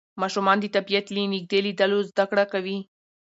ماشومان د طبیعت له نږدې لیدلو زده کړه کوي